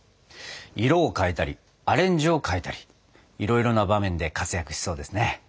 色を変えたりアレンジを変えたりいろいろな場面で活躍しそうですね。